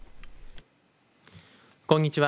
こんにちは